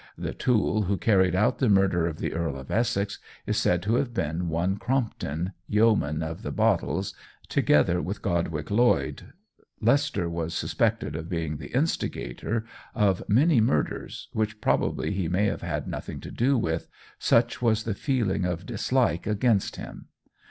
The tool who carried out the murder of the Earl of Essex is said to have been one Crompton, Yeoman of the Bottles, together with Godwick Lloyd." Leicester was suspected of being the instigator of many murders which probably he may have had nothing to do with, such was the feeling of dislike against him.